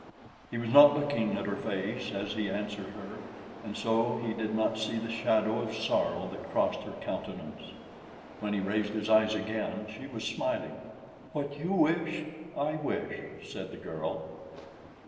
He was not looking at her face as he answered her, and so he did not see the shadow of sorrow that crossed her countenance. When he raised his eyes again, she was smiling. "What you wish, I wish," said the girl.